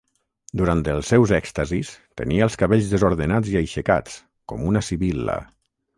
Durant els seus èxtasis tenia els cabells desordenats i aixecats, com una sibil·la.